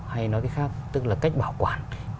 hay nói cái khác tức là cách bảo quản